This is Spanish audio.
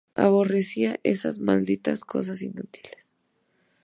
Aborrecía esas malditas cosas inútiles.